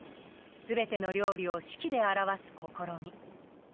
すべての料理を式で表す試み。